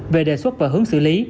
về đề xuất và hướng xử lý